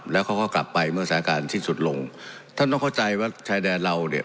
แล้วเขาก็กลับไปเมื่อสถานการณ์สิ้นสุดลงท่านต้องเข้าใจว่าชายแดนเราเนี่ย